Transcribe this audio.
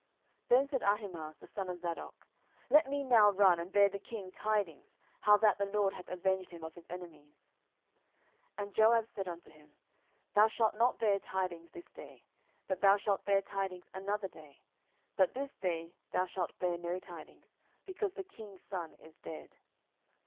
10:018:019 Then said Ahimaaz the son of Zadok, Let me now run, and bear the king tidings, how that the LORD hath avenged him of his enemies. 10:018:020 And Joab said unto him, Thou shalt not bear tidings this day, but thou shalt bear tidings another day: but this day thou shalt bear no tidings, because the king's son is dead.